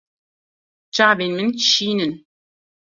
Çavên min şîn in.